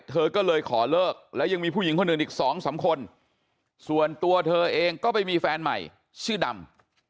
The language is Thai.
เธอก็เลยขอเลิกแล้วยังมีผู้หญิงคนอื่นอีกสองสามคนส่วนตัวเธอเองก็ไปมีแฟนใหม่ชื่อดำ